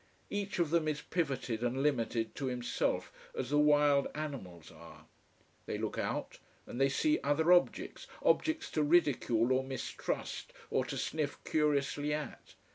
Each of them is pivoted and limited to himself, as the wild animals are. They look out, and they see other objects, objects to ridicule or mistrust or to sniff curiously at.